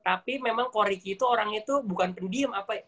tapi memang koreki itu orangnya itu bukan pendiem apa